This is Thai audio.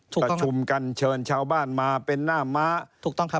จัดประชุมกันเชิญชาวบ้านมาเป็นหน้าม้า